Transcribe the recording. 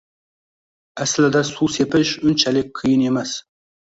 Aslida suv sepish unchalik qiyin emas.